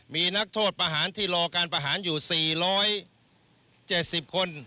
มีนักโทษประหารที่รอการประหารอยู่๔๗๐คน